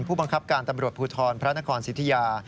ผู้บังคับการตำรวจภูทรพระนครสิทธิยา